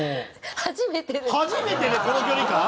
初めてでこの距離感？